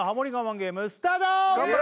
ゲームスタート頑張れ